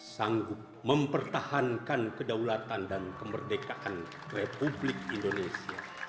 sanggup mempertahankan kedaulatan dan kemerdekaan republik indonesia